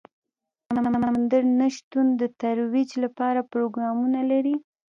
افغانستان د سمندر نه شتون د ترویج لپاره پروګرامونه لري.